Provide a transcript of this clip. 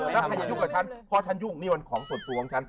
ถ้าอย่ายุ่งกับฉันเพราะฉันยุ่งนี่เป็นของส่วนตัวของฉัน